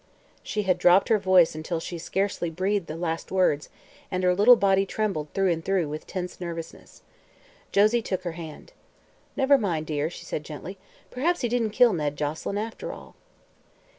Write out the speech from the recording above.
"_ She had dropped her voice until she scarcely breathed the last words and her little body trembled through and through with tense nervousness. Josie took her hand. "Never mind, dear," she said gently. "Perhaps he didn't kill Ned Joselyn, after all."